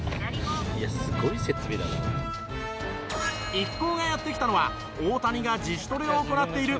一行がやって来たのは大谷が自主トレを行っているエンゼルスのキャンプ地